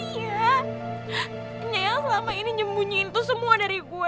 iya nyayang selama ini nyebunyiin tuh semua dari gue